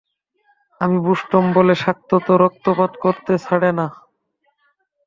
আমি বোষ্টম বলে শাক্ত তো রক্তপাত করতে ছাড়ে না।